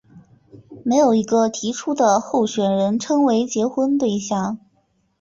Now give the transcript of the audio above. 没有一个提出的候选人称为结婚对象。